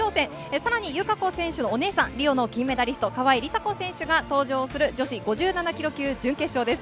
さらに友香子選手のお姉さん、リオの金メダリスト、梨紗子選手が登場する女子５７キロ級準決勝です。